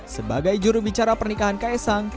sebagai jurubicara pernikahan kaisang